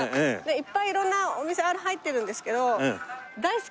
いっぱい色んなお店入ってるんですけど。